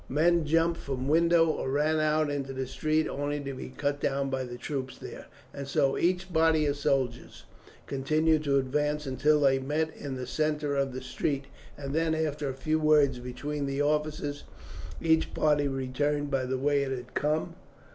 Men jumped from windows or ran out into the street only to be cut down by the troops there, and so each body of soldiers continued to advance until they met in the centre of the street, and then, after a few words between the officers, each party returned by the way it had come.